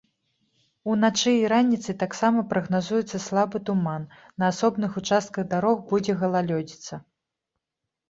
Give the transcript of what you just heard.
Уначы і раніцай таксама прагназуецца слабы туман, на асобных участках дарог будзе галалёдзіца.